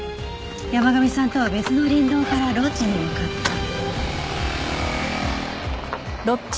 山神さんとは別の林道からロッジに向かった。